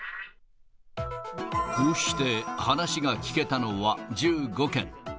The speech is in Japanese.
こうして話が聞けたのは１５件。